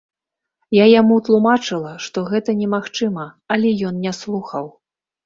Я яму тлумачыла, што гэта немагчыма, але ён не слухаў.